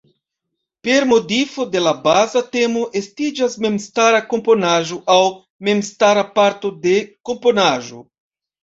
Per modifo de la baza temo estiĝas memstara komponaĵo aŭ memstara parto de komponaĵo.